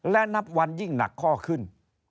และนับวันยิ่งหนักข้อขึ้น